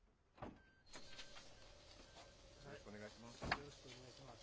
よろしくお願いします。